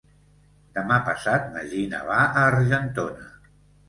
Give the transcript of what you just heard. Demà passat na Gina va a Argentona.